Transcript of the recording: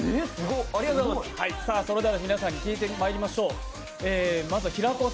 それでは皆さんに聞いてまいりましょう。